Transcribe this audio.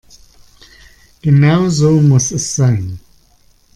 Genau so muss es sein.